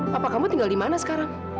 papa kamu tinggal di mana sekarang